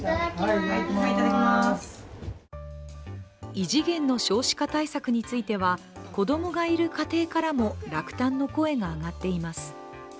異次元の少子化対策については子どもがいる家庭からも落胆の声が上がっています。